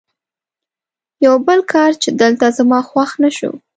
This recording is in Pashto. یو بل کار چې دلته زما خوښ نه شو.